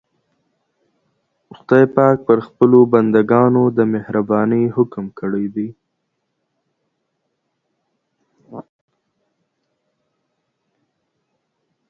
خدای پاک پر خپلو بندګانو د مهربانۍ حکم کړی دی.